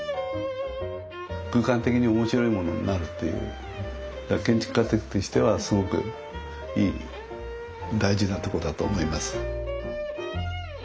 空間的に面白いものになるっていう建築家としてはすごくいい大事なとこだと思います。